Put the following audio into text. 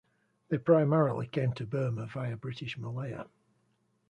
They primarily came to Burma via British Malaya.